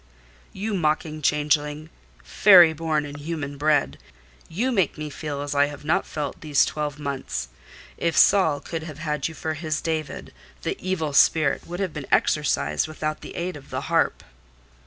"You mocking changeling—fairy born and human bred! You make me feel as I have not felt these twelve months. If Saul could have had you for his David, the evil spirit would have been exorcised without the aid of the harp."